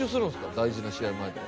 大事な試合前とか。